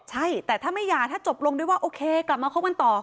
ใช่แต่ถ้าไม่หย่าถ้าจบลงด้วยว่าโอเคกลับมาคบกันต่อ